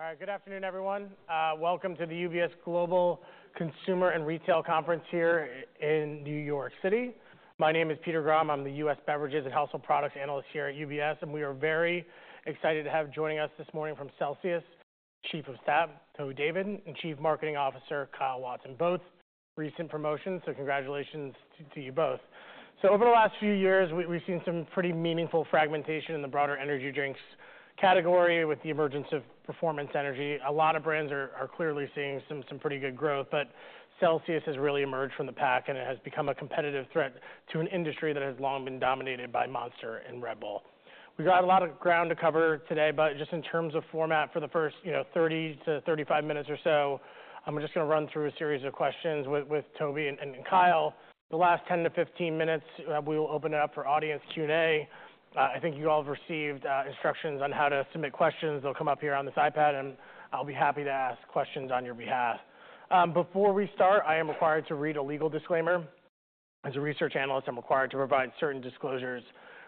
All right, good afternoon, everyone. Welcome to the UBS Global Consumer and Retail Conference here in New York City. My name is Peter Grom. I'm the U.S. Beverages and Household Products Analyst here at UBS, and we are very excited to have joining us this morning from Celsius, Chief of Staff Toby David, and Chief Marketing Officer Kyle Watson. Both recent promotions, so congratulations to you both. So over the last few years, we've seen some pretty meaningful fragmentation in the broader energy drinks category with the emergence of performance energy. A lot of brands are clearly seeing some pretty good growth, but Celsius has really emerged from the pack, and it has become a competitive threat to an industry that has long been dominated by Monster and Red Bull. We've got a lot of ground to cover today, but just in terms of format for the first, you know, 30-35 minutes or so, I'm just going to run through a series of questions with Toby and Kyle. The last 10-15 minutes, we will open it up for audience Q&A. I think you all have received instructions on how to submit questions. They'll come up here on this iPad, and I'll be happy to ask questions on your behalf. Before we start, I am required to read a legal disclaimer. As a research analyst, I'm required to provide certain disclosures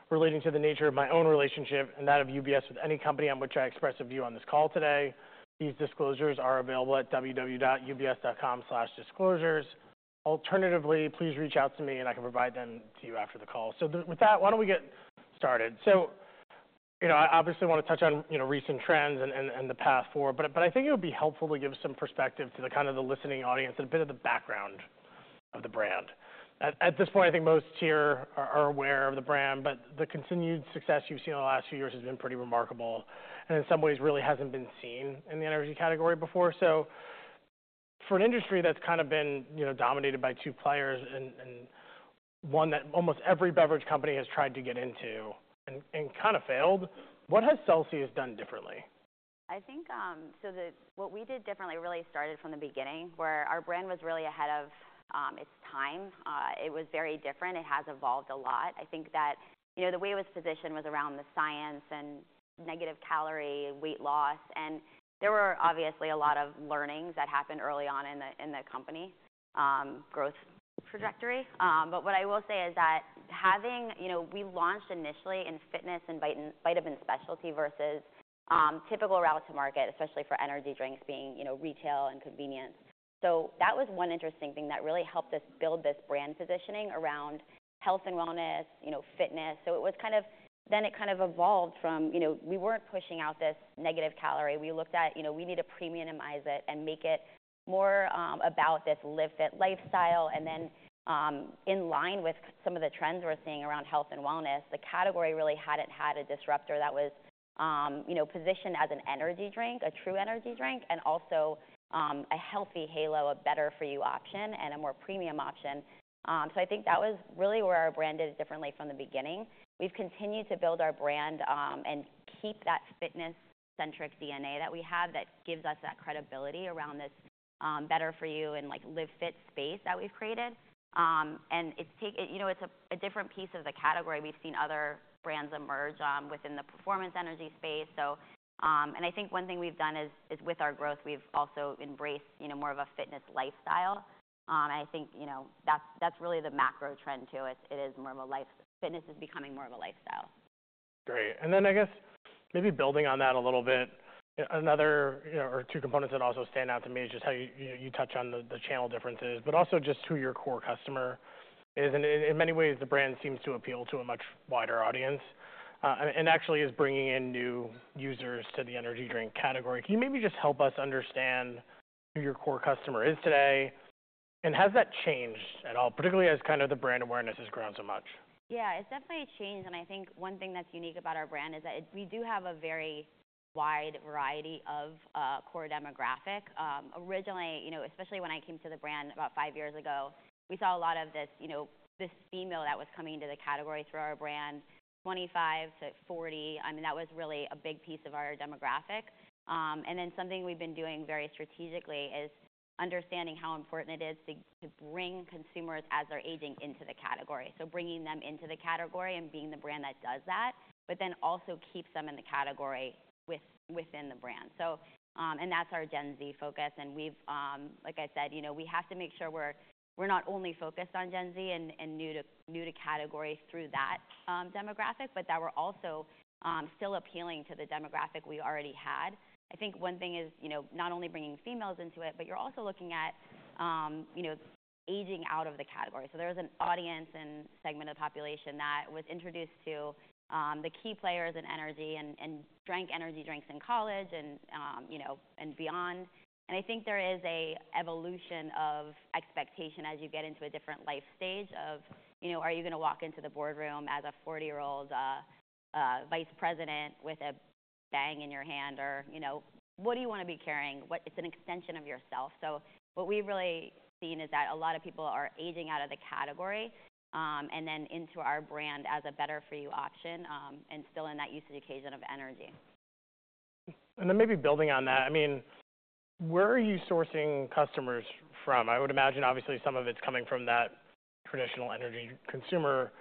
relating to the nature of my own relationship and that of UBS with any company on which I express a view on this call today. These disclosures are available at www.ubs.com/disclosures. Alternatively, please reach out to me, and I can provide them to you after the call. So with that, why don't we get started? So, you know, I obviously want to touch on, you know, recent trends and the path forward, but I think it would be helpful to give some perspective to the kind of the listening audience and a bit of the background of the brand. At this point, I think most here are aware of the brand, but the continued success you've seen in the last few years has been pretty remarkable and in some ways really hasn't been seen in the energy category before. So for an industry that's kind of been, you know, dominated by two players and one that almost every beverage company has tried to get into and kind of failed, what has Celsius done differently? I think, so what we did differently really started from the beginning, where our brand was really ahead of its time. It was very different. It has evolved a lot. I think that, you know, the way it was positioned was around the science and negative calorie, weight loss, and there were obviously a lot of learnings that happened early on in the company growth trajectory. But what I will say is that having, you know, we launched initially in fitness and vitamin specialty versus typical route to market, especially for energy drinks being, you know, retail and convenience. So that was one interesting thing that really helped us build this brand positioning around health and wellness, you know, fitness. So it was kind of then it kind of evolved from, you know, we weren't pushing out this negative calorie. We looked at, you know, we need to premiumize it and make it more about this Live Fit lifestyle. Then in line with some of the trends we're seeing around health and wellness, the category really hadn't had a disruptor that was, you know, positioned as an energy drink, a true energy drink, and also a healthy halo, a better-for-you option and a more premium option. So I think that was really where our brand did it differently from the beginning. We've continued to build our brand and keep that fitness-centric DNA that we have that gives us that credibility around this better-for-you and, like, Live Fit space that we've created. It's taken, you know, it's a different piece of the category. We've seen other brands emerge within the performance energy space. I think one thing we've done is with our growth, we've also embraced, you know, more of a fitness lifestyle. I think, you know, that's really the macro trend, too. It is more of a life fitness is becoming more of a lifestyle. Great. And then I guess maybe building on that a little bit, another or two components that also stand out to me is just how you touch on the channel differences, but also just who your core customer is. And in many ways, the brand seems to appeal to a much wider audience and actually is bringing in new users to the energy drink category. Can you maybe just help us understand who your core customer is today? And has that changed at all, particularly as kind of the brand awareness has grown so much? Yeah, it's definitely changed. I think one thing that's unique about our brand is that we do have a very wide variety of core demographic. Originally, you know, especially when I came to the brand about five years ago, we saw a lot of this, you know, this female that was coming into the category through our brand, 25-40. I mean, that was really a big piece of our demographic. Then something we've been doing very strategically is understanding how important it is to bring consumers as they're aging into the category. So bringing them into the category and being the brand that does that, but then also keep some in the category within the brand. That's our Gen Z focus. And we've, like I said, you know, we have to make sure we're not only focused on Gen Z and new to category through that demographic, but that we're also still appealing to the demographic we already had. I think one thing is, you know, not only bringing females into it, but you're also looking at, you know, aging out of the category. So there was an audience and segment of the population that was introduced to the key players in energy and drank energy drinks in college and, you know, and beyond. And I think there is an evolution of expectation as you get into a different life stage of, you know, are you going to walk into the boardroom as a 40-year-old vice president with a Bang in your hand or, you know, what do you want to be carrying? It's an extension of yourself. So what we've really seen is that a lot of people are aging out of the category and then into our brand as a better-for-you option and still in that usage occasion of energy. And then maybe building on that, I mean, where are you sourcing customers from? I would imagine, obviously, some of it's coming from that traditional energy consumer,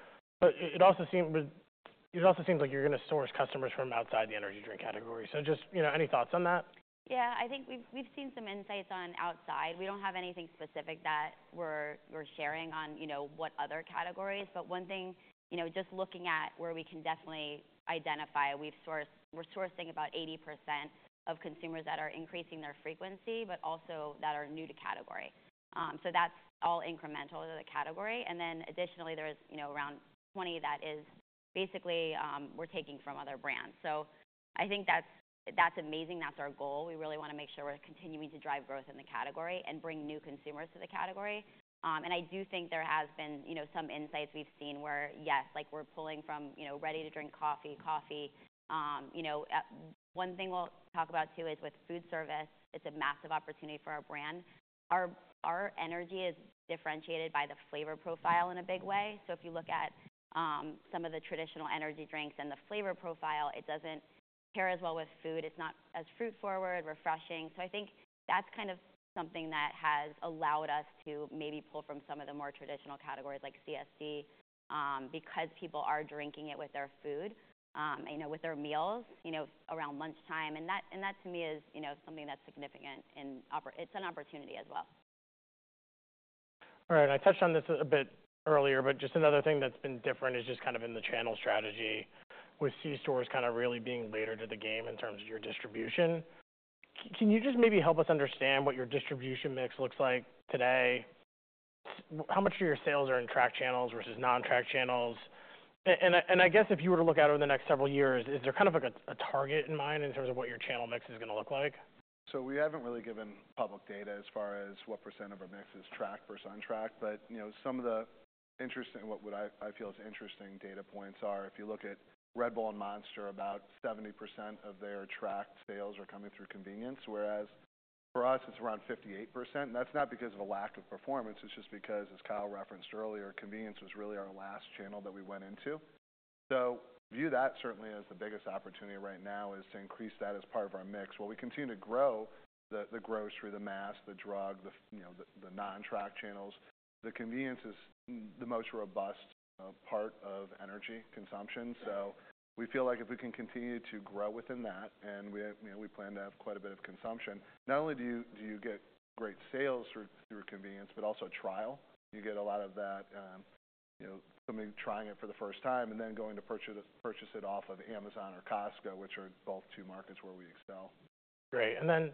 but it also seems like you're going to source customers from outside the energy drink category. So just, you know, any thoughts on that? Yeah, I think we've seen some insights on outside. We don't have anything specific that we're sharing on, you know, what other categories. But one thing, you know, just looking at where we can definitely identify, we're sourcing about 80% of consumers that are increasing their frequency, but also that are new to category. So that's all incremental to the category. And then additionally, there is, you know, around 20% that is basically we're taking from other brands. So I think that's amazing. That's our goal. We really want to make sure we're continuing to drive growth in the category and bring new consumers to the category. And I do think there has been, you know, some insights we've seen where, yes, like we're pulling from, you know, ready-to-drink coffee, coffee. You know, one thing we'll talk about, too, is with foodservice. It's a massive opportunity for our brand. Our energy is differentiated by the flavor profile in a big way. So if you look at some of the traditional energy drinks and the flavor profile, it doesn't pair as well with food. It's not as fruit-forward, refreshing. So I think that's kind of something that has allowed us to maybe pull from some of the more traditional categories like CSD because people are drinking it with their food, you know, with their meals, you know, around lunchtime. And that, to me, is, you know, something that's significant, and it's an opportunity as well. All right. And I touched on this a bit earlier, but just another thing that's been different is just kind of in the channel strategy with C-stores kind of really being later to the game in terms of your distribution. Can you just maybe help us understand what your distribution mix looks like today? How much of your sales are in tracked channels versus non-tracked channels? And I guess if you were to look out over the next several years, is there kind of a target in mind in terms of what your channel mix is going to look like? So we haven't really given public data as far as what percent of our mix is tracked versus untracked. But, you know, some of the interesting what I feel is interesting data points are if you look at Red Bull and Monster, about 70% of their tracked sales are coming through convenience, whereas for us, it's around 58%. And that's not because of a lack of performance. It's just because, as Kyle referenced earlier, convenience was really our last channel that we went into. So view that certainly as the biggest opportunity right now is to increase that as part of our mix. While we continue to grow, the growth through the mass, the drug, the, you know, the non-tracked channels, the convenience is the most robust part of energy consumption. So we feel like if we can continue to grow within that and we, you know, we plan to have quite a bit of consumption, not only do you get great sales through convenience, but also trial. You get a lot of that, you know, somebody trying it for the first time and then going to purchase it off of Amazon or Costco, which are both two markets where we excel. Great. Then,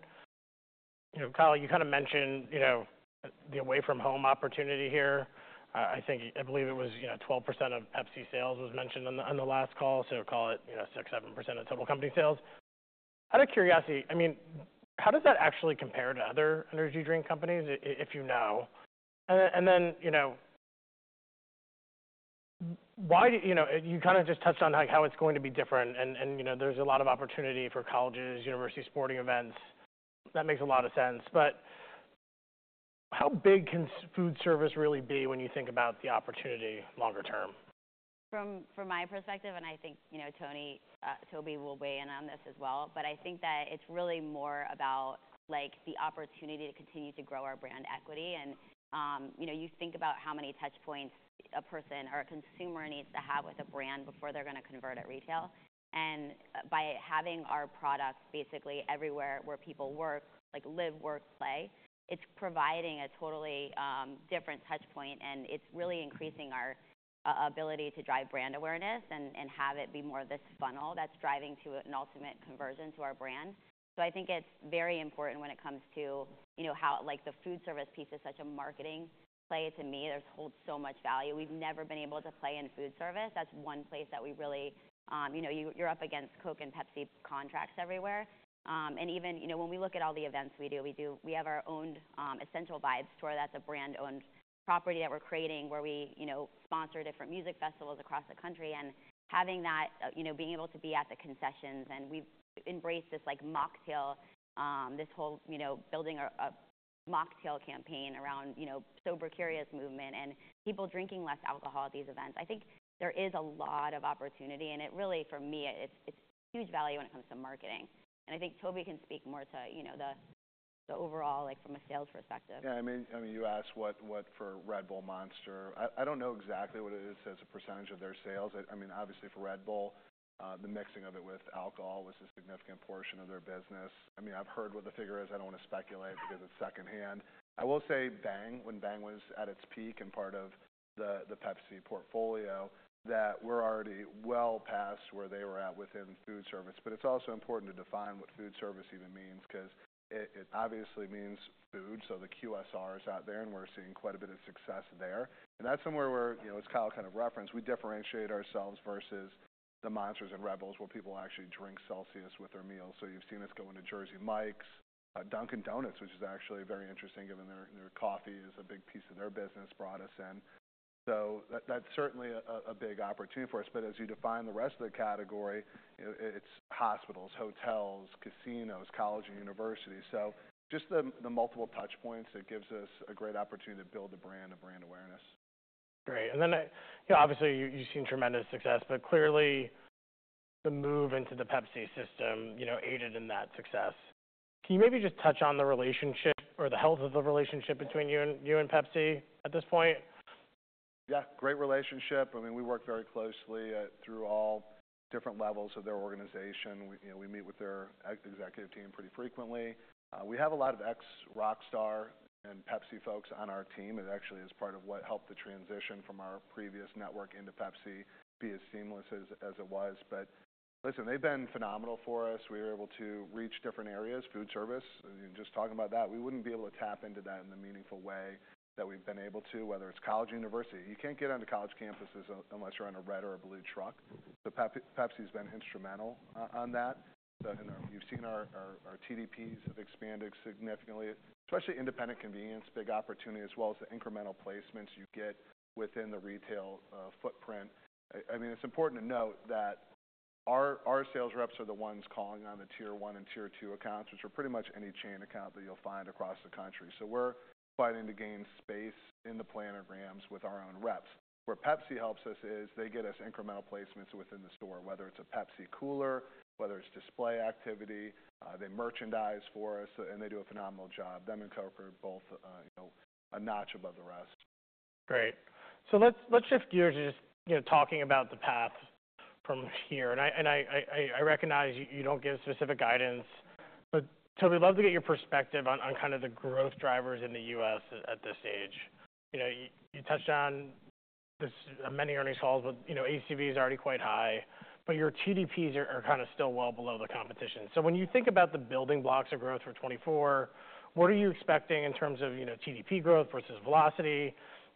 you know, Kyle, you kind of mentioned, you know, the away-from-home opportunity here. I think I believe it was, you know, 12% of Pepsi sales was mentioned on the last call, so call it, you know, 6%-7% of total company sales. Out of curiosity, I mean, how does that actually compare to other energy drink companies, if you know? And then, you know, why do you know, you kind of just touched on how it's going to be different. You know, there's a lot of opportunity for colleges, university sporting events. That makes a lot of sense. But how big can food service really be when you think about the opportunity longer term? From my perspective, and I think, you know, Toby will weigh in on this as well, but I think that it's really more about, like, the opportunity to continue to grow our brand equity. You know, you think about how many touchpoints a person or a consumer needs to have with a brand before they're going to convert at retail. By having our products basically everywhere where people work, like live, work, play, it's providing a totally different touchpoint, and it's really increasing our ability to drive brand awareness and have it be more this funnel that's driving to an ultimate conversion to our brand. So I think it's very important when it comes to, you know, how, like, the foodservice piece is such a marketing play to me. It holds so much value. We've never been able to play in foodservice. That's one place that we really, you know, you're up against Coke and Pepsi contracts everywhere. And even, you know, when we look at all the events we do, we have our own Essential Vibes Tour. That's a brand-owned property that we're creating where we, you know, sponsor different music festivals across the country. And having that, you know, being able to be at the concessions, and we've embraced this, like, mocktail, this whole, you know, building a mocktail campaign around, you know, sober curious movement and people drinking less alcohol at these events. I think there is a lot of opportunity, and it really, for me, it's huge value when it comes to marketing. And I think Toby can speak more to, you know, the overall, like, from a sales perspective. Yeah. I mean, you asked what for Red Bull, Monster. I don't know exactly what it is as a percentage of their sales. I mean, obviously, for Red Bull, the mixing of it with alcohol was a significant portion of their business. I mean, I've heard what the figure is. I don't want to speculate because it's secondhand. I will say Bang when Bang was at its peak and part of the Pepsi portfolio, that we're already well past where they were at within food service. But it's also important to define what foodservice even means because it obviously means food. So the QSR is out there, and we're seeing quite a bit of success there. And that's somewhere where, you know, as Kyle kind of referenced, we differentiate ourselves versus the Monster's and Red Bulls where people actually drink Celsius with their meals. So you've seen us go into Jersey Mike's, Dunkin' Donuts, which is actually very interesting given their coffee is a big piece of their business, brought us in. So that's certainly a big opportunity for us. But as you define the rest of the category, it's hospitals, hotels, casinos, college, and university. So just the multiple touchpoints, it gives us a great opportunity to build the brand, the brand awareness. Great. And then, you know, obviously, you've seen tremendous success, but clearly the move into the Pepsi system, you know, aided in that success. Can you maybe just touch on the relationship or the health of the relationship between you and Pepsi at this point? Yeah, great relationship. I mean, we work very closely through all different levels of their organization. You know, we meet with their executive team pretty frequently. We have a lot of ex-Rockstar and Pepsi folks on our team. It actually is part of what helped the transition from our previous network into Pepsi be as seamless as it was. But listen, they've been phenomenal for us. We were able to reach different areas, foodservice. Just talking about that, we wouldn't be able to tap into that in the meaningful way that we've been able to, whether it's college or university. You can't get onto college campuses unless you're on a red or a blue truck. So Pepsi's been instrumental on that. You've seen our TDPs have expanded significantly, especially independent convenience, big opportunity, as well as the incremental placements you get within the retail footprint. I mean, it's important to note that our sales reps are the ones calling on the tier one and tier two accounts, which are pretty much any chain account that you'll find across the country. So we're fighting to gain space in the planograms with our own reps. Where Pepsi helps us is they get us incremental placements within the store, whether it's a Pepsi cooler, whether it's display activity. They merchandise for us, and they do a phenomenal job. Them and Circle K both, you know, a notch above the rest. Great. So let's shift gears to just, you know, talking about the path from here. And I recognize you don't give specific guidance, but Toby, we'd love to get your perspective on kind of the growth drivers in the U.S. at this stage. You know, you touched on this many earnings calls, but, you know, ACV is already quite high, but your TDPs are kind of still well below the competition. So when you think about the building blocks of growth for 2024, what are you expecting in terms of, you know, TDP growth versus velocity? You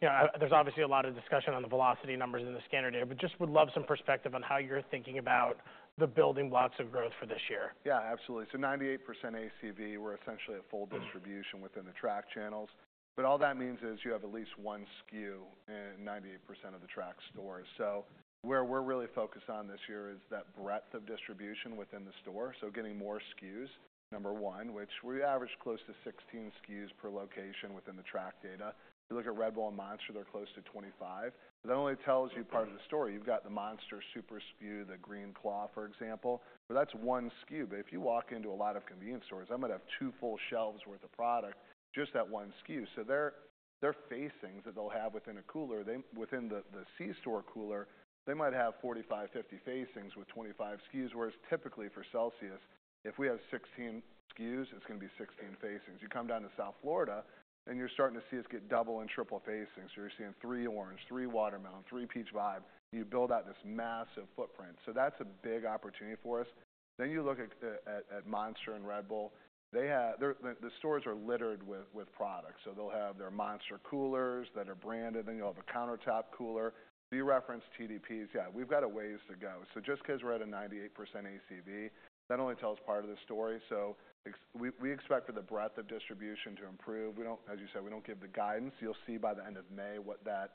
know, there's obviously a lot of discussion on the velocity numbers in the standard data, but just would love some perspective on how you're thinking about the building blocks of growth for this year. Yeah, absolutely. So 98% ACV, we're essentially a full distribution within the tracked channels. But all that means is you have at least 1 SKU in 98% of the tracked stores. So where we're really focused on this year is that breadth of distribution within the store. So getting more SKUs, number one, which we average close to 16 SKUs per location within the tracked data. If you look at Red Bull and Monster, they're close to 25. That only tells you part of the story. You've got the Monster super SKU, the Green Claw, for example, where that's 1 SKU. But if you walk into a lot of convenience stores, I might have 2 full shelves' worth of product, just that 1 SKU. So their facings that they'll have within a cooler, within the C-store cooler, they might have 45, 50 facings with 25 SKUs. Whereas typically for Celsius, if we have 16 SKUs, it's going to be 16 facings. You come down to South Florida, and you're starting to see us get double and triple facings. So you're seeing 3 Orange, 3 Watermelon, 3 Peach Vibe. You build out this massive footprint. So that's a big opportunity for us. Then you look at Monster and Red Bull. The stores are littered with products. So they'll have their Monster coolers that are branded. Then you'll have a countertop cooler. You referenced TDPs. Yeah, we've got a ways to go. So just because we're at a 98% ACV, that only tells part of the story. So we expect for the breadth of distribution to improve. We don't, as you said, we don't give the guidance. You'll see by the end of May what that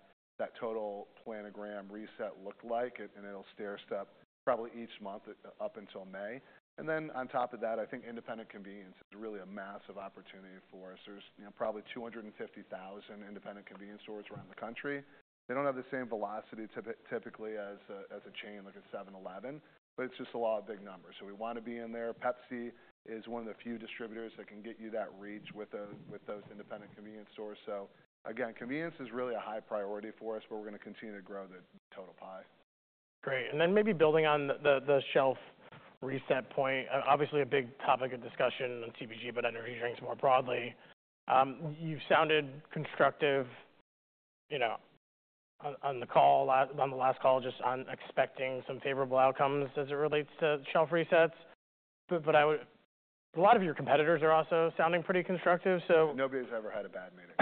total planogram reset looked like, and it'll stair step probably each month up until May. Then on top of that, I think independent convenience is really a massive opportunity for us. There's, you know, probably 250,000 independent convenience stores around the country. They don't have the same velocity typically as a chain, like a 7-Eleven, but it's just a lot of big numbers. So we want to be in there. Pepsi is one of the few distributors that can get you that reach with those independent convenience stores. So again, convenience is really a high priority for us, but we're going to continue to grow the total pie. Great. And then maybe building on the shelf reset point, obviously a big topic of discussion on CBG, but energy drinks more broadly. You've sounded constructive, you know, on the call, on the last call, just on expecting some favorable outcomes as it relates to shelf resets. But a lot of your competitors are also sounding pretty constructive, so. Nobody's ever had a bad meeting.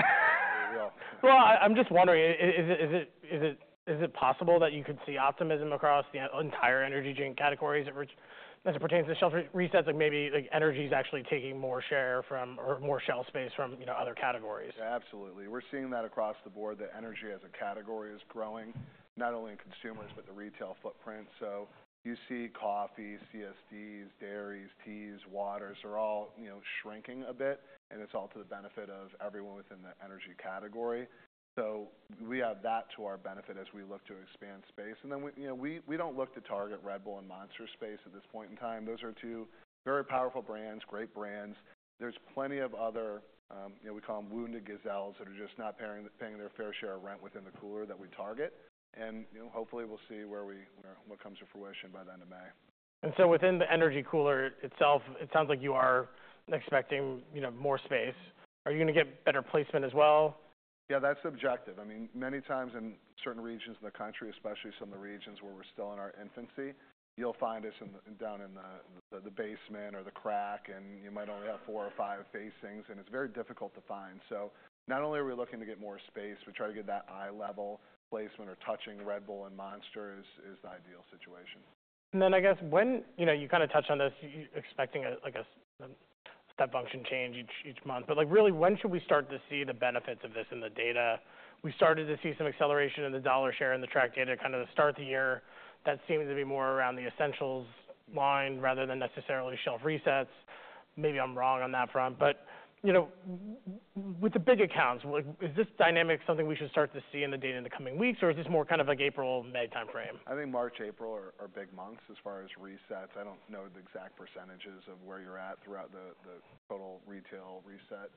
Well, I'm just wondering, is it possible that you could see optimism across the entire energy drink categories as it pertains to shelf resets? Like, maybe energy is actually taking more share from or more shelf space from, you know, other categories. Yeah, absolutely. We're seeing that across the board. The energy as a category is growing, not only in consumers, but the retail footprint. So you see coffee, CSDs, dairies, teas, waters are all, you know, shrinking a bit, and it's all to the benefit of everyone within the energy category. So we have that to our benefit as we look to expand space. And then, you know, we don't look to target Red Bull and Monster space at this point in time. Those are two very powerful brands, great brands. There's plenty of other, you know, we call them wounded gazelles that are just not paying their fair share of rent within the cooler that we target. And, you know, hopefully, we'll see where we what comes to fruition by the end of May. So within the energy cooler itself, it sounds like you are expecting, you know, more space. Are you going to get better placement as well? Yeah, that's subjective. I mean, many times in certain regions in the country, especially some of the regions where we're still in our infancy, you'll find us down in the basement or the crack, and you might only have four or five facings, and it's very difficult to find. So not only are we looking to get more space, we try to get that eye-level placement or touching Red Bull and Monster is the ideal situation. And then I guess when, you know, you kind of touched on this, you're expecting a, like, a step function change each month. But, like, really, when should we start to see the benefits of this in the data? We started to see some acceleration in the dollar share in the tracked data. Kind of the start of the year, that seemed to be more around the essentials line rather than necessarily shelf resets. Maybe I'm wrong on that front. But, you know, with the big accounts, is this dynamic something we should start to see in the data in the coming weeks, or is this more kind of like April, May time frame? I think March, April are big months as far as resets. I don't know the exact percentages of where you're at throughout the total retail reset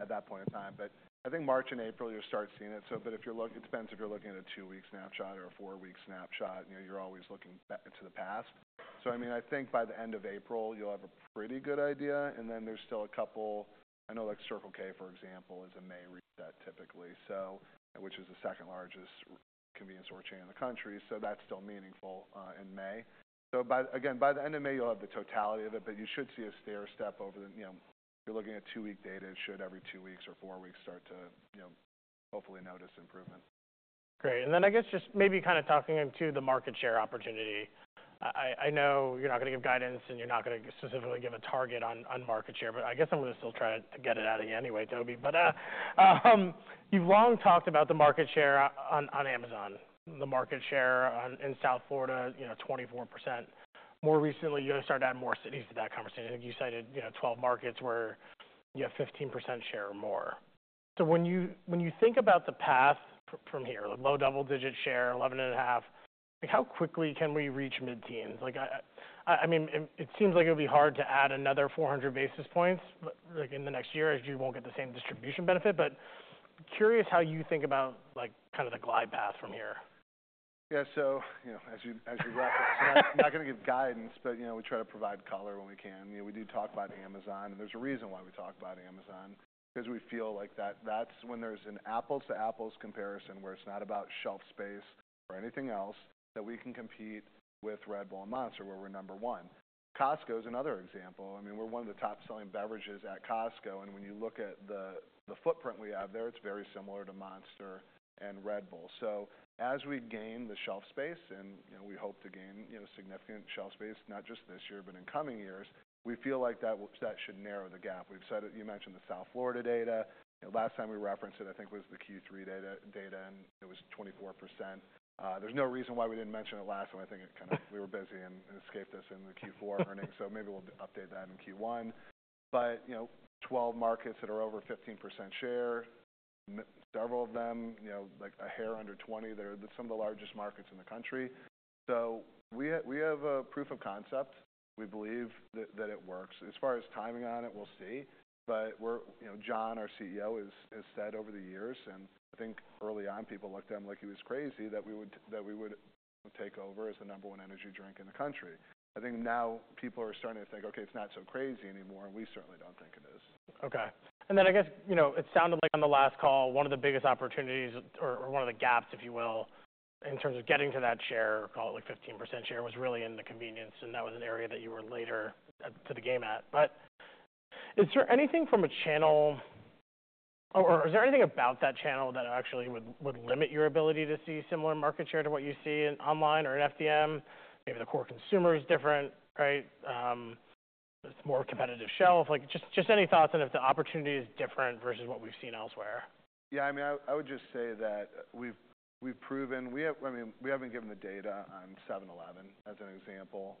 at that point in time. But I think March and April, you'll start seeing it. So but if you're looking, it depends if you're looking at a 2-week snapshot or a 4-week snapshot. You know, you're always looking back into the past. So, I mean, I think by the end of April, you'll have a pretty good idea. And then there's still a couple. I know, like, Circle K, for example, is a May reset typically, which is the second largest convenience store chain in the country. So that's still meaningful in May. So again, by the end of May, you'll have the totality of it, but you should see a stair step over the, you know, if you're looking at two-week data, it should every two weeks or four weeks start to, you know, hopefully notice improvement. Great. Then I guess just maybe kind of talking into the market share opportunity. I know you're not going to give guidance, and you're not going to specifically give a target on market share, but I guess I'm going to still try to get it out of you anyway, Toby. But you've long talked about the market share on Amazon, the market share in South Florida, you know, 24%. More recently, you started to add more cities to that conversation. I think you cited, you know, 12 markets where you have 15% share or more. So when you think about the path from here, low double-digit share, 11.5, like, how quickly can we reach mid-teens? Like, I mean, it seems like it would be hard to add another 400 basis points, like, in the next year as you won't get the same distribution benefit. Curious how you think about, like, kind of the glide path from here? Yeah. So, you know, as we wrap up, I'm not going to give guidance, but, you know, we try to provide color when we can. You know, we do talk about Amazon, and there's a reason why we talk about Amazon because we feel like that's when there's an apples-to-apples comparison where it's not about shelf space or anything else that we can compete with Red Bull and Monster where we're number one. Costco is another example. I mean, we're one of the top-selling beverages at Costco. And when you look at the footprint we have there, it's very similar to Monster and Red Bull. So as we gain the shelf space, and, you know, we hope to gain, you know, significant shelf space, not just this year, but in coming years, we feel like that should narrow the gap. We've said it. You mentioned the South Florida data. Last time we referenced it, I think, was the Q3 data, and it was 24%. There's no reason why we didn't mention it last time. I think it kind of, we were busy and it escaped us in the Q4 earnings. So maybe we'll update that in Q1. But, you know, 12 markets that are over 15% share, several of them, you know, like a hair under 20, they're some of the largest markets in the country. So we have a proof of concept. We believe that it works. As far as timing on it, we'll see. But we're, you know, John, our CEO, has said over the years, and I think early on, people looked at him like he was crazy, that we would take over as the number one energy drink in the country. I think now people are starting to think, "OK, it's not so crazy anymore," and we certainly don't think it is. OK. And then I guess, you know, it sounded like on the last call, one of the biggest opportunities or one of the gaps, if you will, in terms of getting to that share, call it like 15% share, was really in the convenience. And that was an area that you were later to the game at. But is there anything from a channel, or is there anything about that channel that actually would limit your ability to see similar market share to what you see online or in FDM? Maybe the core consumer is different, right? It's a more competitive shelf. Like, just any thoughts on if the opportunity is different versus what we've seen elsewhere? Yeah. I mean, I would just say that we've proven, I mean, we haven't given the data on 7-Eleven as an example.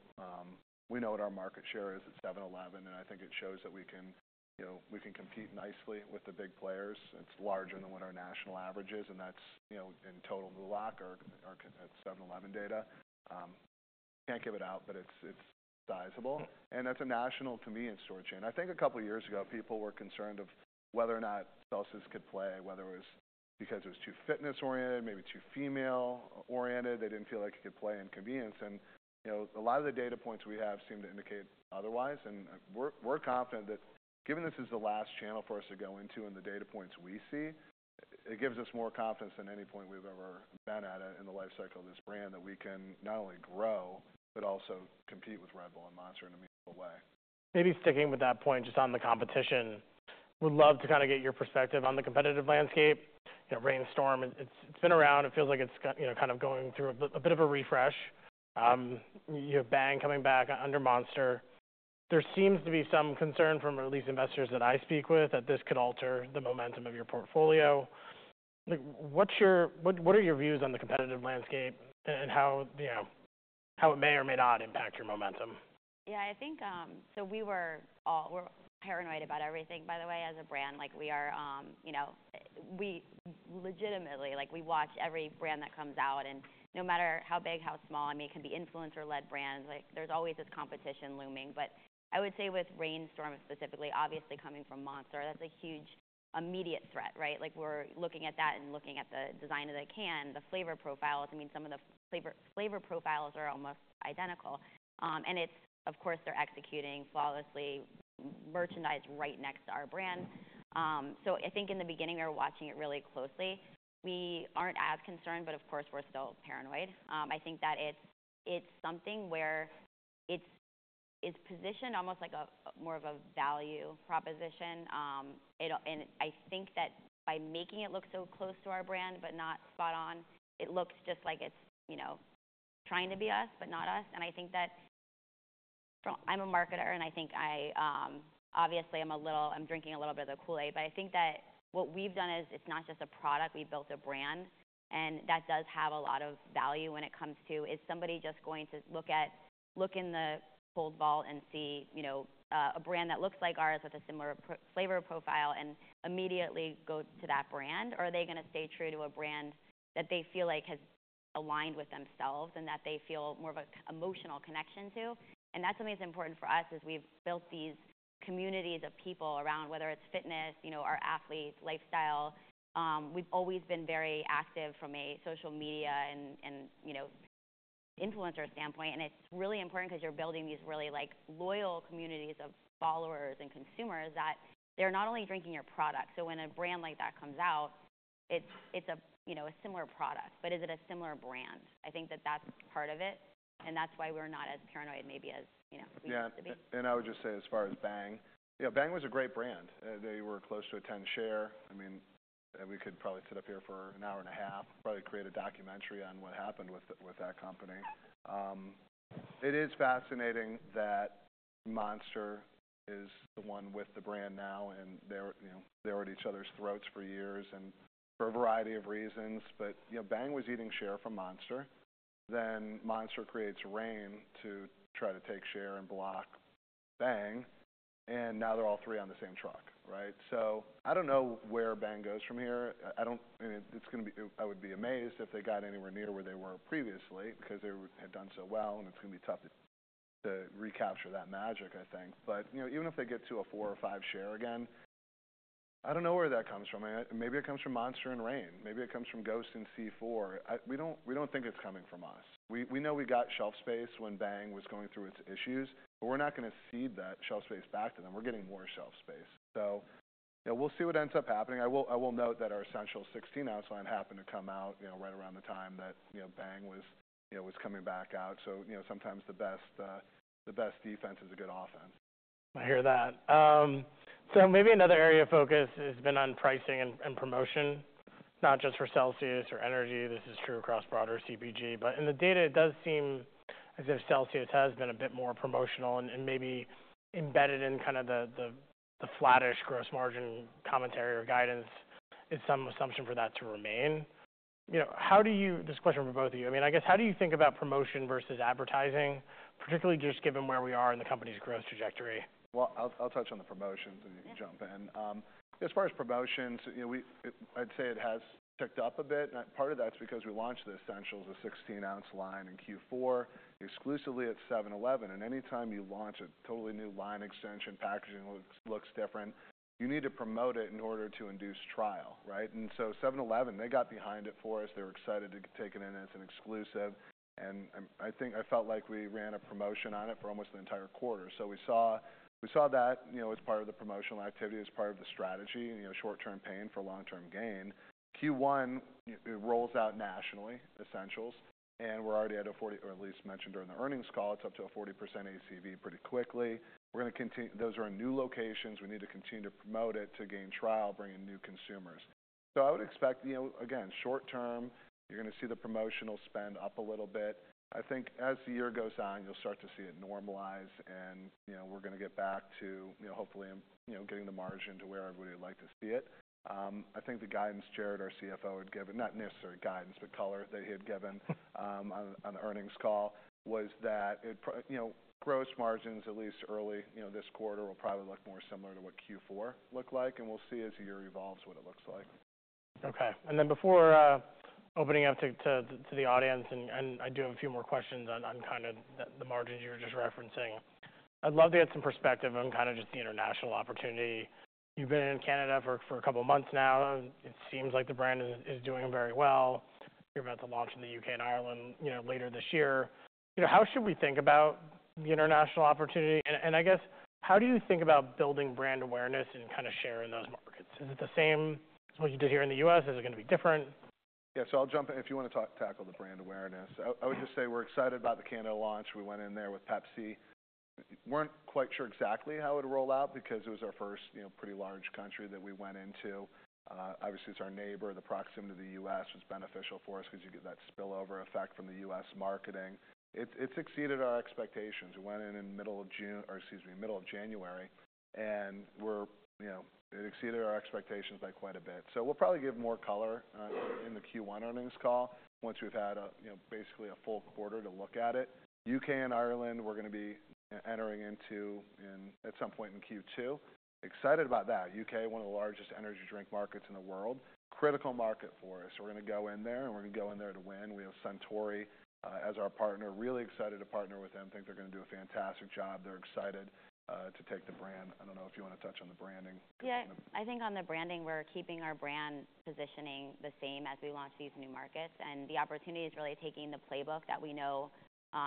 We know what our market share is at 7-Eleven, and I think it shows that we can, you know, we can compete nicely with the big players. It's larger than what our national average is, and that's, you know, in total MULOC at 7-Eleven data. Can't give it out, but it's sizable. And that's a national, to me, in-store chain. I think a couple of years ago, people were concerned of whether or not Celsius could play, whether it was because it was too fitness-oriented, maybe too female-oriented. They didn't feel like it could play in convenience. And, you know, a lot of the data points we have seem to indicate otherwise. We're confident that given this is the last channel for us to go into and the data points we see, it gives us more confidence than any point we've ever been at it in the lifecycle of this brand that we can not only grow but also compete with Red Bull and Monster in a meaningful way. Maybe sticking with that point just on the competition, would love to kind of get your perspective on the competitive landscape. You know, Reign Storm, it's been around. It feels like it's, you know, kind of going through a bit of a refresh. You have Bang coming back under Monster. There seems to be some concern from at least investors that I speak with that this could alter the momentum of your portfolio. Like, what are your views on the competitive landscape and how, you know, how it may or may not impact your momentum? Yeah. I think so, we were all, we're paranoid about everything, by the way, as a brand. Like, we are, you know, we legitimately, like, we watch every brand that comes out. And no matter how big, how small, I mean, it can be influencer-led brands. Like, there's always this competition looming. But I would say with Reign Storm specifically, obviously coming from Monster, that's a huge immediate threat, right? Like, we're looking at that and looking at the design of the can, the flavor profiles. I mean, some of the flavor profiles are almost identical. And it's, of course, they're executing flawlessly, merchandised right next to our brand. So I think in the beginning, they were watching it really closely. We aren't as concerned, but of course, we're still paranoid. I think that it's something where it's positioned almost like more of a value proposition. I think that by making it look so close to our brand but not spot-on, it looks just like it's, you know, trying to be us but not us. I think that I'm a marketer, and I think I obviously am drinking a little bit of the Kool-Aid. But I think that what we've done is it's not just a product. We built a brand. And that does have a lot of value when it comes to is somebody just going to look in the cold vault and see, you know, a brand that looks like ours with a similar flavor profile and immediately go to that brand? Or are they going to stay true to a brand that they feel like has aligned with themselves and that they feel more of an emotional connection to? And that's something that's important for us: we've built these communities of people around whether it's fitness, you know, our athletes, lifestyle. We've always been very active from a social media and, you know, influencer standpoint. And it's really important because you're building these really, like, loyal communities of followers and consumers that they're not only drinking your product. So when a brand like that comes out, it's a, you know, a similar product. But is it a similar brand? I think that that's part of it. And that's why we're not as paranoid maybe as, you know, we used to be. Yeah. I would just say as far as Bang, you know, Bang was a great brand. They were close to a 10% share. I mean, we could probably sit up here for an hour and a half, probably create a documentary on what happened with that company. It is fascinating that Monster is the one with the brand now, and they're, you know, they were at each other's throats for years and for a variety of reasons. But, you know, Bang was eating share from Monster. Monster creates Reign to try to take share and block Bang. Now they're all three on the same truck, right? I don't know where Bang goes from here. I don't—I mean, it's going to be—I would be amazed if they got anywhere near where they were previously because they had done so well, and it's going to be tough to recapture that magic, I think. But, you know, even if they get to a 4 or 5 share again, I don't know where that comes from. Maybe it comes from Monster and Reign. Maybe it comes from Ghost and C4. We don't think it's coming from us. We know we got shelf space when Bang was going through its issues, but we're not going to cede that shelf space back to them. We're getting more shelf space. So, you know, we'll see what ends up happening. I will note that our essential 16 ounce line happened to come out, you know, right around the time that, you know, Bang was, you know, coming back out. You know, sometimes the best defense is a good offense. I hear that. So maybe another area of focus has been on pricing and promotion, not just for Celsius or energy. This is true across broader CPG. But in the data, it does seem as if Celsius has been a bit more promotional and maybe embedded in kind of the flattish gross margin commentary or guidance. Is some assumption for that to remain? You know, I mean, I guess how do you think about promotion versus advertising, particularly just given where we are in the company's growth trajectory? Well, I'll touch on the promotions, and you can jump in. As far as promotions, you know, I'd say it has ticked up a bit. And part of that's because we launched the Essentials, the 16-ounce line in Q4, exclusively at 7-Eleven. And any time you launch a totally new line extension, packaging looks different. You need to promote it in order to induce trial, right? And so 7-Eleven, they got behind it for us. They were excited to take it in as an exclusive. And I think I felt like we ran a promotion on it for almost the entire quarter. So we saw that, you know, as part of the promotional activity, as part of the strategy, you know, short-term pain for long-term gain. Q1, it rolls out nationally, Essentials. We're already at a 40% or at least mentioned during the earnings call, it's up to a 40% ACV pretty quickly. We're going to continue. Those are new locations. We need to continue to promote it to gain trial, bringing new consumers. So I would expect, you know, again, short-term, you're going to see the promotional spend up a little bit. I think as the year goes on, you'll start to see it normalize. And, you know, we're going to get back to, you know, hopefully, you know, getting the margin to where everybody would like to see it. I think the guidance Jarrod, our CFO, had given not necessarily guidance but color that he had given on the earnings call was that it, you know, gross margins, at least early, you know, this quarter, will probably look more similar to what Q4 looked like. We'll see as the year evolves what it looks like. OK. And then before opening up to the audience, and I do have a few more questions on kind of the margins you were just referencing. I'd love to get some perspective on kind of just the international opportunity. You've been in Canada for a couple of months now. It seems like the brand is doing very well. You're about to launch in the U.K. and Ireland, you know, later this year. You know, how should we think about the international opportunity? And I guess how do you think about building brand awareness and kind of share in those markets? Is it the same as what you did here in the U.S.? Is it going to be different? Yeah. So I'll jump in if you want to tackle the brand awareness. I would just say we're excited about the Canada launch. We went in there with Pepsi. Weren't quite sure exactly how it would roll out because it was our first, you know, pretty large country that we went into. Obviously, it's our neighbor. The proximity to the U.S. was beneficial for us because you get that spillover effect from the U.S. marketing. It's exceeded our expectations. We went in in middle of June or, excuse me, middle of January. We're, you know, it exceeded our expectations by quite a bit. So we'll probably give more color in the Q1 earnings call once we've had, you know, basically a full quarter to look at it. U.K. and Ireland, we're going to be entering into at some point in Q2. Excited about that. U.K., one of the largest energy drink markets in the world, critical market for us. So we're going to go in there, and we're going to go in there to win. We have Suntory as our partner. Really excited to partner with them. Think they're going to do a fantastic job. They're excited to take the brand. I don't know if you want to touch on the branding. Yeah. I think on the branding, we're keeping our brand positioning the same as we launch these new markets. And the opportunity is really taking the playbook that we know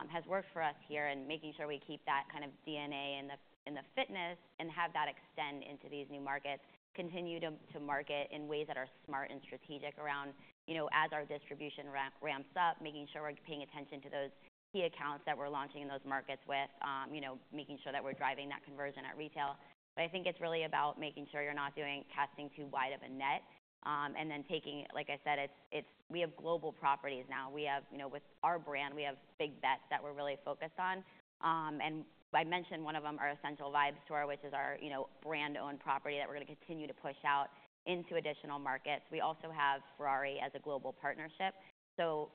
has worked for us here and making sure we keep that kind of DNA in the fitness and have that extend into these new markets, continue to market in ways that are smart and strategic around, you know, as our distribution ramps up, making sure we're paying attention to those key accounts that we're launching in those markets with, you know, making sure that we're driving that conversion at retail. But I think it's really about making sure you're not doing casting too wide of a net and then taking it like I said, it's we have global properties now. We have, you know, with our brand, we have big bets that we're really focused on. I mentioned one of them, our Essential Vibes Tour, which is our, you know, brand-owned property that we're going to continue to push out into additional markets. We also have Ferrari as a global partnership. So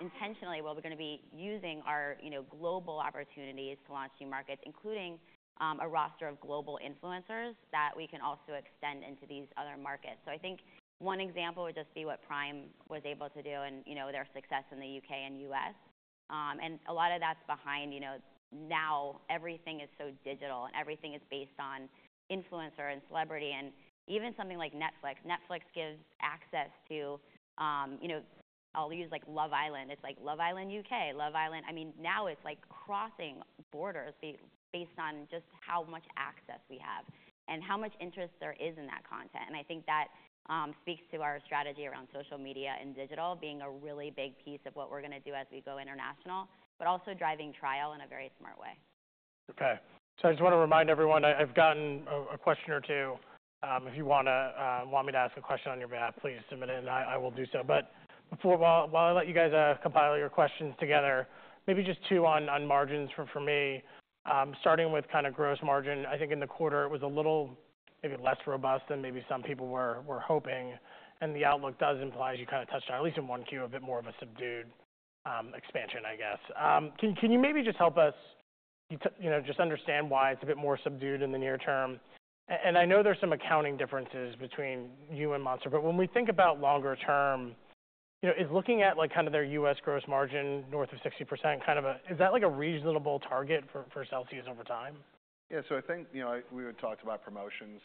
intentionally, we're going to be using our, you know, global opportunities to launch new markets, including a roster of global influencers that we can also extend into these other markets. So I think one example would just be what PRIME was able to do and, you know, their success in the UK and US. And a lot of that's behind, you know, now everything is so digital, and everything is based on influencer and celebrity. And even something like Netflix. Netflix gives access to, you know, I'll use like Love Island. It's like Love Island UK, Love Island. I mean, now it's like crossing borders based on just how much access we have and how much interest there is in that content. And I think that speaks to our strategy around social media and digital being a really big piece of what we're going to do as we go international but also driving trial in a very smart way. OK. So I just want to remind everyone, I've gotten a question or two. If you want me to ask a question on your behalf, please submit it, and I will do so. But before, while I let you guys compile your questions together, maybe just two on margins for me. Starting with kind of gross margin, I think in the quarter, it was a little maybe less robust than maybe some people were hoping. And the outlook does imply as you kind of touched on, at least in 1Q, a bit more of a subdued expansion, I guess. Can you maybe just help us, you know, just understand why it's a bit more subdued in the near term? And I know there's some accounting differences between you and Monster. But when we think about longer term, you know, is looking at like kind of their U.S. gross margin north of 60% kind of a is that like a reasonable target for Celsius over time? Yeah. So I think, you know, we had talked about promotions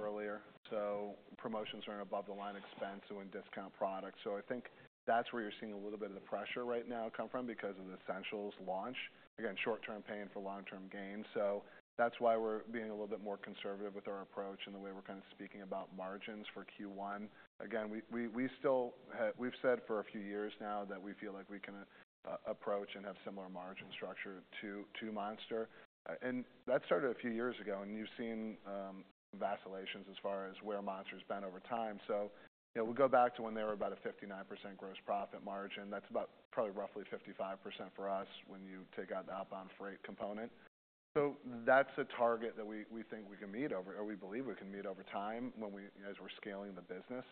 earlier. So promotions are an above-the-line expense and when discount products. So I think that's where you're seeing a little bit of the pressure right now come from because of the Essentials launch. Again, short-term pain for long-term gain. So that's why we're being a little bit more conservative with our approach and the way we're kind of speaking about margins for Q1. Again, we still have we've said for a few years now that we feel like we can approach and have similar margin structure to Monster. And that started a few years ago. And you've seen some vacillations as far as where Monster has been over time. So, you know, we'll go back to when they were about a 59% gross profit margin. That's about probably roughly 55% for us when you take out the upfront component. So that's a target that we think we can meet over or we believe we can meet over time as we're scaling the business.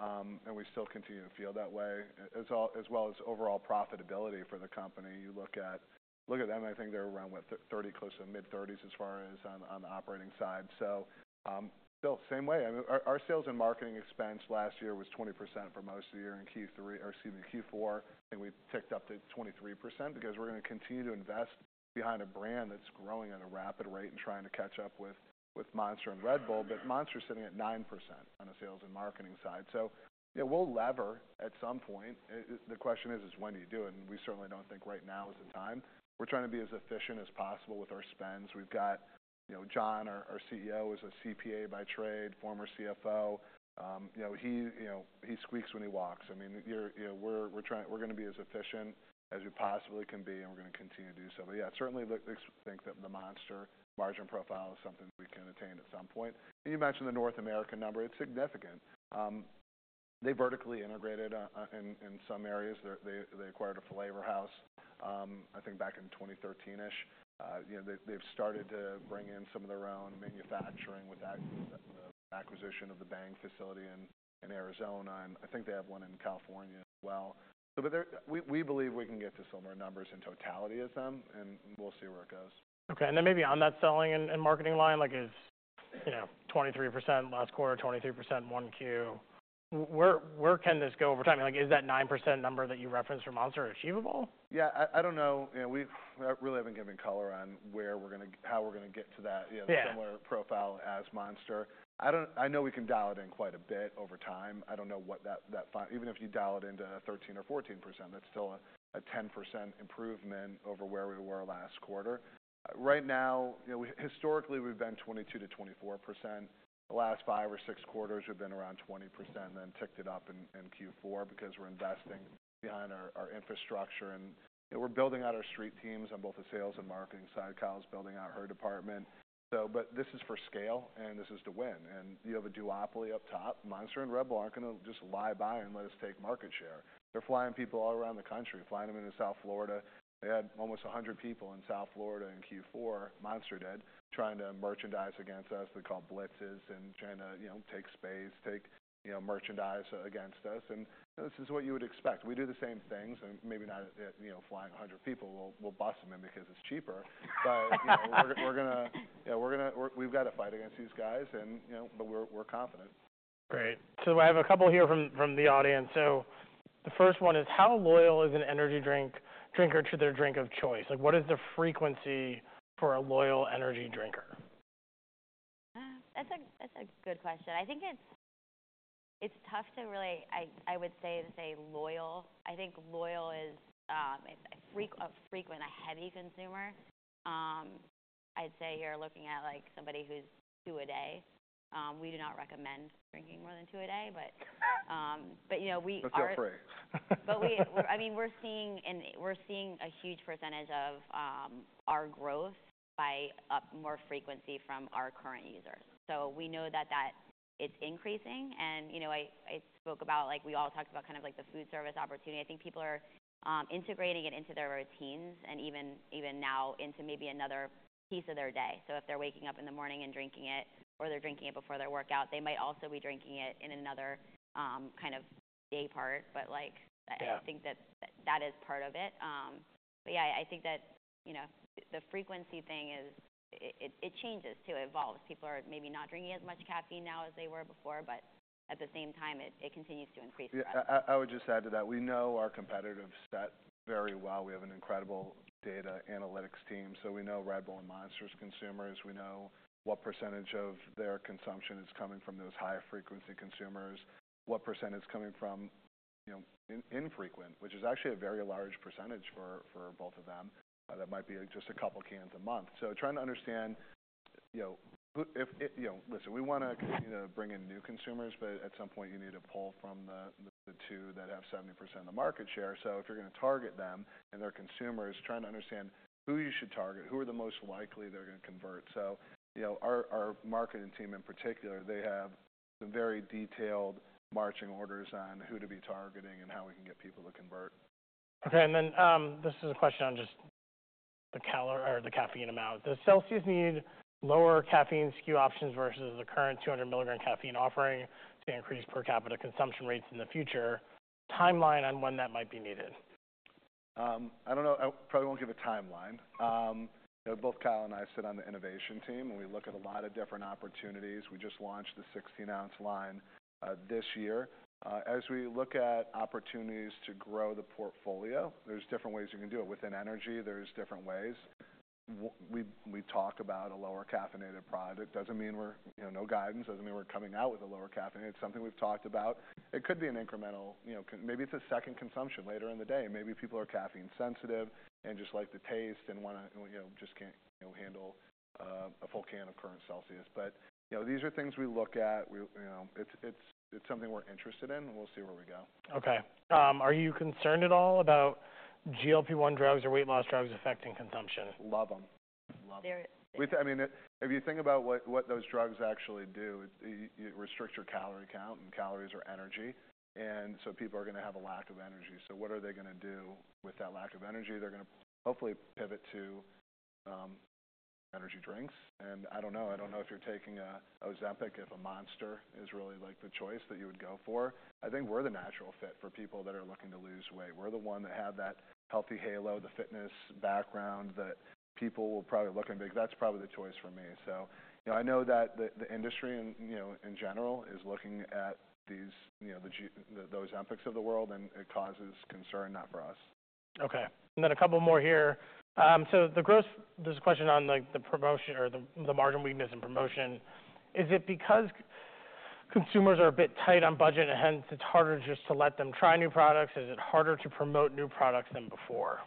And we still continue to feel that way as well as overall profitability for the company. You look at them, and I think they're around what, 30, close to the mid-30s as far as on the operating side. So still, same way. I mean, our sales and marketing expense last year was 20% for most of the year in Q3 or, excuse me, Q4. I think we ticked up to 23% because we're going to continue to invest behind a brand that's growing at a rapid rate and trying to catch up with Monster and Red Bull. But Monster is sitting at 9% on the sales and marketing side. So, you know, we'll lever at some point. The question is, is when do you do it? We certainly don't think right now is the time. We're trying to be as efficient as possible with our spends. We've got, you know, John, our CEO, is a CPA by trade, former CFO. You know, he, you know, he squeaks when he walks. I mean, you know, we're trying we're going to be as efficient as we possibly can be, and we're going to continue to do so. But yeah, certainly think that the Monster margin profile is something we can attain at some point. And you mentioned the North American number. It's significant. They vertically integrated in some areas. They acquired a flavor house, I think, back in 2013-ish. You know, they've started to bring in some of their own manufacturing with the acquisition of the Bang facility in Arizona. And I think they have one in California as well. We believe we can get to similar numbers in totality as them, and we'll see where it goes. OK. Then maybe on that selling and marketing line, like is, you know, 23% last quarter, 23% 1Q, where can this go over time? I mean, like, is that 9% number that you referenced for Monster achievable? Yeah. I don't know. You know, we really haven't given color on where we're going to how we're going to get to that, you know, similar profile as Monster. I know we can dial it in quite a bit over time. I don't know what that even if you dial it into 13% or 14%, that's still a 10% improvement over where we were last quarter. Right now, you know, historically, we've been 22%-24%. The last five or six quarters, we've been around 20%, then ticked it up in Q4 because we're investing behind our infrastructure. You know, we're building out our street teams on both the sales and marketing side. Kyle's building out her department. But this is for scale, and this is to win. And you have a duopoly up top. Monster and Red Bull aren't going to just lie by and let us take market share. They're flying people all around the country, flying them into South Florida. They had almost 100 people in South Florida in Q4. Monster did, trying to merchandise against us. They call blitzes and trying to, you know, take space, take, you know, merchandise against us. This is what you would expect. We do the same things, and maybe not, you know, flying 100 people. We'll bus them in because it's cheaper. But, you know, we're going to, you know, we've got to fight against these guys. And, you know, but we're confident. Great. So I have a couple here from the audience. So the first one is, how loyal is an energy drinker to their drink of choice? Like, what is the frequency for a loyal energy drinker? That's a good question. I think it's tough to really, I would say, say loyal. I think loyal is a frequent, a heavy consumer. I'd say you're looking at like somebody who's 2 a day. We do not recommend drinking more than 2 a day. But, you know, we are. But still free. But we, I mean, we're seeing a huge percentage of our growth by more frequency from our current users. So we know that that it's increasing. And, you know, I spoke about like we all talked about kind of like the foodservice opportunity. I think people are integrating it into their routines and even now into maybe another piece of their day. So if they're waking up in the morning and drinking it or they're drinking it before their workout, they might also be drinking it in another kind of daypart. But like, I think that that is part of it. But yeah, I think that, you know, the frequency thing is it changes, too. It evolves. People are maybe not drinking as much caffeine now as they were before. But at the same time, it continues to increase for us. Yeah. I would just add to that. We know our competitive set very well. We have an incredible data analytics team. So we know Red Bull and Monster consumers. We know what percentage of their consumption is coming from those high-frequency consumers, what percent is coming from, you know, infrequent, which is actually a very large percentage for both of them. That might be just a couple of cans a month. So trying to understand, you know, if, you know, listen, we want to continue to bring in new consumers. But at some point, you need to pull from the two that have 70% of the market share. So if you're going to target them and they're consumers, trying to understand who you should target, who are the most likely they're going to convert. You know, our marketing team in particular, they have some very detailed marching orders on who to be targeting and how we can get people to convert. OK. Then this is a question on just the caffeine amount. Does Celsius need lower caffeine SKU options versus the current 200 milligram caffeine offering to increase per capita consumption rates in the future? Timeline on when that might be needed? I don't know. I probably won't give a timeline. You know, both Kyle and I sit on the innovation team, and we look at a lot of different opportunities. We just launched the 16-ounce line this year. As we look at opportunities to grow the portfolio, there's different ways you can do it. Within energy, there's different ways. We talk about a lower-caffeinated product. Doesn't mean we're, you know, no guidance. Doesn't mean we're coming out with a lower caffeine. It's something we've talked about. It could be an incremental, you know, maybe it's a second consumption later in the day. Maybe people are caffeine-sensitive and just like the taste and want to, you know, just can't, you know, handle a full can of current Celsius. But, you know, these are things we look at. You know, it's something we're interested in. We'll see where we go. OK. Are you concerned at all about GLP-1 drugs or weight loss drugs affecting consumption? Love them. Love them. I mean, if you think about what those drugs actually do, it restricts your calorie count, and calories are energy. And so people are going to have a lack of energy. So what are they going to do with that lack of energy? They're going to hopefully pivot to energy drinks. And I don't know. I don't know if you're taking Ozempic, if a Monster is really like the choice that you would go for. I think we're the natural fit for people that are looking to lose weight. We're the one that have that healthy halo, the fitness background that people will probably look at, because that's probably the choice for me. So, you know, I know that the industry and, you know, in general is looking at these, you know, those Ozempics of the world. And it causes concern, not for us. OK. And then a couple more here. So the gross margin weakness in promotion. Is it because consumers are a bit tight on budget, and hence it's harder just to let them try new products? Is it harder to promote new products than before?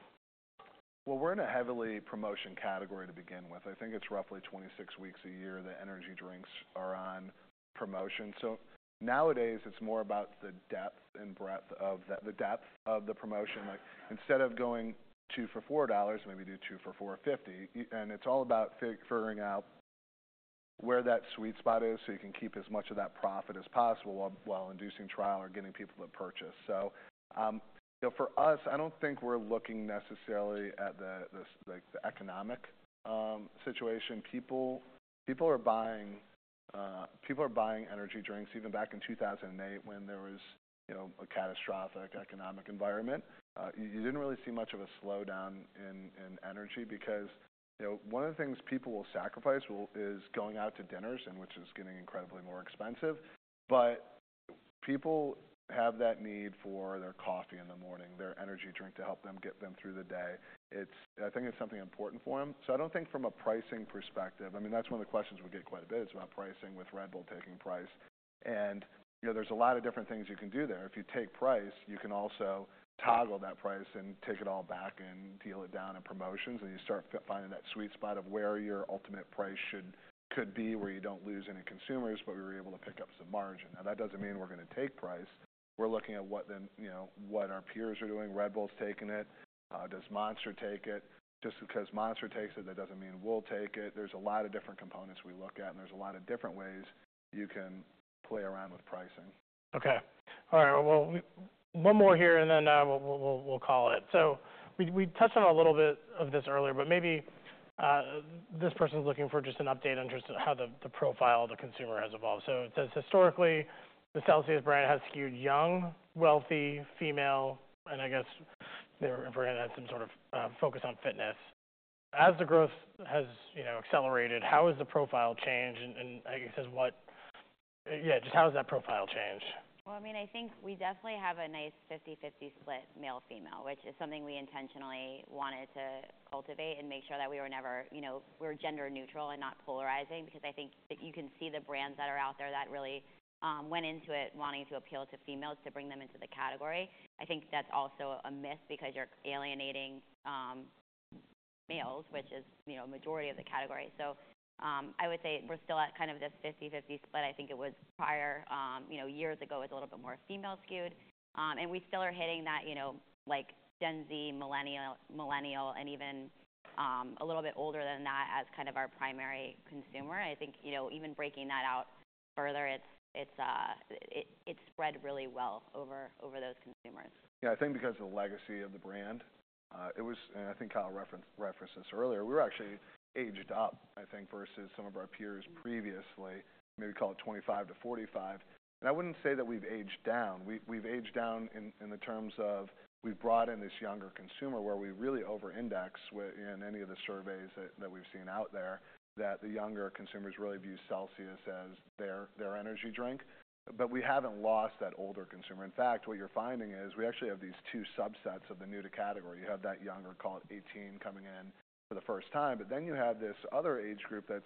Well, we're in a heavily promotional category to begin with. I think it's roughly 26 weeks a year that energy drinks are on promotion. So nowadays, it's more about the depth and breadth of the promotion. Like, instead of going two for $4, maybe do two for $4.50. And it's all about figuring out where that sweet spot is so you can keep as much of that profit as possible while inducing trial or getting people to purchase. So, you know, for us, I don't think we're looking necessarily at the economic situation. People are buying energy drinks even back in 2008 when there was, you know, a catastrophic economic environment. You didn't really see much of a slowdown in energy because, you know, one of the things people will sacrifice is going out to dinners, which is getting incredibly more expensive. But people have that need for their coffee in the morning, their energy drink to help them get them through the day. I think it's something important for them. So I don't think from a pricing perspective, I mean, that's one of the questions we get quite a bit. It's about pricing with Red Bull taking price. And, you know, there's a lot of different things you can do there. If you take price, you can also toggle that price and take it all back and deal it down in promotions. And you start finding that sweet spot of where your ultimate price should be, where you don't lose any consumers, but we were able to pick up some margin. Now, that doesn't mean we're going to take price. We're looking at what the, you know, what our peers are doing. Red Bull's taking it. Does Monster take it? Just because Monster takes it, that doesn't mean we'll take it. There's a lot of different components we look at. There's a lot of different ways you can play around with pricing. OK. All right. Well, one more here, and then we'll call it. So we touched on a little bit of this earlier. But maybe this person's looking for just an update on just how the profile of the consumer has evolved. So it says, historically, the Celsius brand has skewed young, wealthy, female. And I guess they're forgetting that some sort of focus on fitness. As the growth has, you know, accelerated, how has the profile changed? And I guess it says, what yeah, just how has that profile changed? Well, I mean, I think we definitely have a nice 50/50 split male/female, which is something we intentionally wanted to cultivate and make sure that we were never, you know, we were gender-neutral and not polarizing. Because I think that you can see the brands that are out there that really went into it wanting to appeal to females to bring them into the category. I think that's also a myth because you're alienating males, which is, you know, a majority of the category. So I would say we're still at kind of this 50/50 split. I think it was prior, you know, years ago, it was a little bit more female-skewed. And we still are hitting that, you know, like Gen Z, Millennial, and even a little bit older than that as kind of our primary consumer. I think, you know, even breaking that out further, it's spread really well over those consumers. Yeah. I think because of the legacy of the brand, it was, and I think Kyle referenced this earlier. We were actually aged up, I think, versus some of our peers previously. Maybe call it 25-45. And I wouldn't say that we've aged down. We've aged down in the terms of we've brought in this younger consumer where we really over-index in any of the surveys that we've seen out there that the younger consumers really view Celsius as their energy drink. But we haven't lost that older consumer. In fact, what you're finding is we actually have these two subsets of the new to category. You have that younger, call it 18, coming in for the first time. But then you have this other age group that's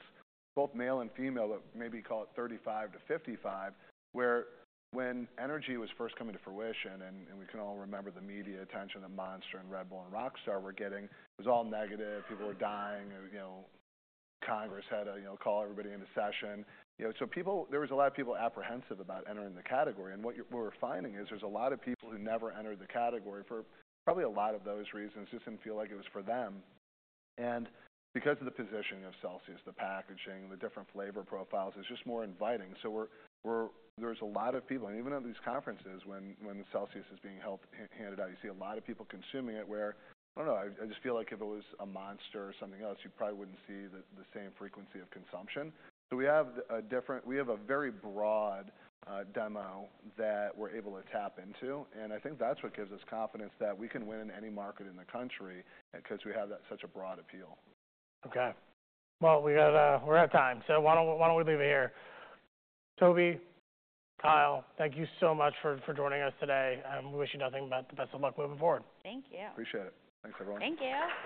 both male and female, but maybe call it 35-55, where when energy was first coming to fruition and we can all remember the media attention that Monster and Red Bull and Rockstar were getting, it was all negative. People were dying. You know, Congress had to, you know, call everybody into session. You know, so people there was a lot of people apprehensive about entering the category. And what we're finding is there's a lot of people who never entered the category for probably a lot of those reasons. It just didn't feel like it was for them. And because of the positioning of Celsius, the packaging, the different flavor profiles, it's just more inviting. So there's a lot of people. Even at these conferences, when Celsius is being handed out, you see a lot of people consuming it where, I don't know, I just feel like if it was a Monster or something else, you probably wouldn't see the same frequency of consumption. So we have a very broad demo that we're able to tap into. And I think that's what gives us confidence that we can win in any market in the country because we have such a broad appeal. OK. Well, we're at time. So why don't we leave it here? Toby, Kyle, thank you so much for joining us today. We wish you nothing but the best of luck moving forward. Thank you. Appreciate it. Thanks, everyone. Thank you.